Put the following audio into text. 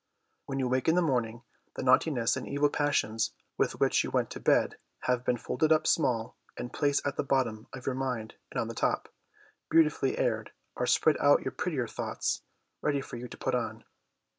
When you wake in the morning, the naughtiness and evil passions with which you went to bed have been folded up small and placed at the bottom of your mind and on the top, beautifully aired, are spread out your prettier thoughts, ready for you to put on.